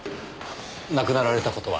亡くなられた事は？